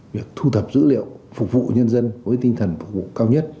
việc thu thập dữ liệu phục vụ nhân dân với tinh thần phục vụ cao nhất